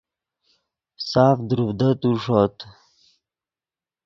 ساف دروڤدتو ݰوت